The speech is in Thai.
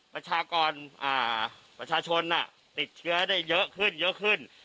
ประชากรประชาชนติดเชื้อได้เยอะขึ้น